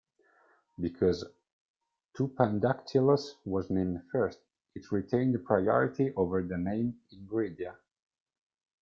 Because "Tupandactylus" was named first, it retained priority over the name "Ingridia".